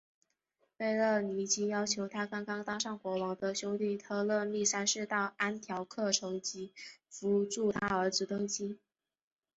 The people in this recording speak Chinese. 贝勒尼基要求她刚刚当上国王的兄弟托勒密三世到安条克城及扶助她儿子登基。